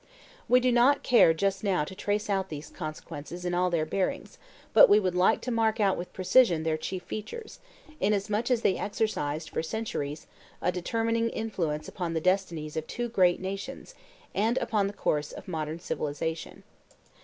We do not care just now to trace out those consequences in all their bearings; but we would like to mark out with precision their chief features, inasmuch as they exercised, for centuries, a determining influence upon the destinies of two great nations, and upon the course of modern civilization.